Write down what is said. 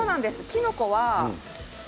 きのこはね